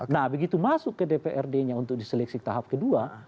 nah begitu masuk ke dprd nya untuk diseleksi tahap kedua